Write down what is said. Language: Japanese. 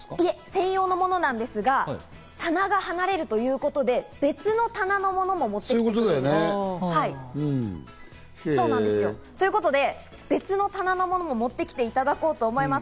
専用のものなんですが、棚が離れるということで、別の棚のものもつけられるんです。ということで、別の棚のものを持って来ていただこうと思います。